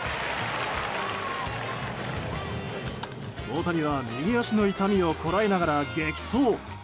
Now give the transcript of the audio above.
大谷は右足の痛みをこらえながら激走。